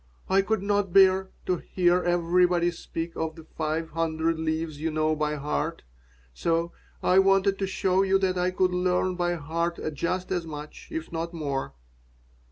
"I could not bear to hear everybody speak of the five hundred leaves you know by heart. So I wanted to show you that I could learn by heart just as much, if not more."